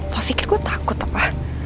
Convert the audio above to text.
lo pikir gue takut apa